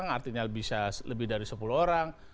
artinya bisa lebih dari sepuluh orang